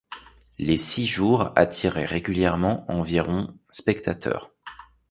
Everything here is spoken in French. Les Six Jours attiraient régulièrement environ spectateurs.